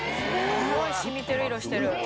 すごい染みてる色してる。